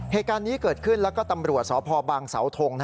เหตุการณ์นี้เกิดขึ้นแล้วก็ตำรวจสพบางเสาทง